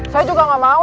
saya juga nggak mau